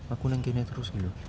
aku nengkehnya terus gitu